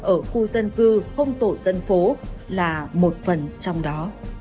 ở khu dân cư hông tổ dân phố là một phần trong đó